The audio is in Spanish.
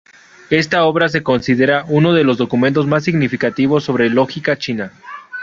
Esta obra se considera uno de los documentos más significativos sobre lógica china.